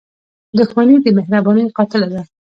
• دښمني د مهربانۍ قاتله ده.